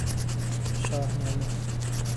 شاهنامه